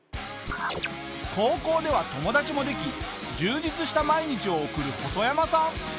高校では友達もでき充実した毎日を送るホソヤマさん。